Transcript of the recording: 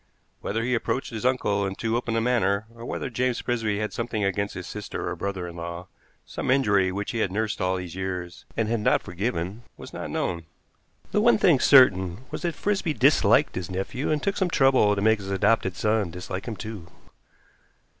Whether he approached his uncle in too open a manner, or whether James Frisby had something against his sister or brother in law, some injury which he had nursed all these years and had not forgiven, was not known. The one thing certain was that Frisby disliked his nephew and took some trouble to make his adopted son dislike him too.